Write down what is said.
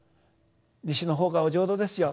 西の方がお浄土ですよ。